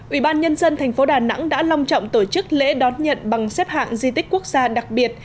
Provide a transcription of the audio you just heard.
ủy ban nhân dân thành phố đà nẵng đã long trọng tổ chức lễ đón nhận bằng xếp hạng di tích quốc gia đặc biệt